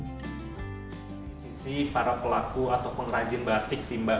dari sisi para pelaku atau pengrajin batik sih mbak